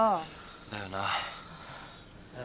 だよなあ。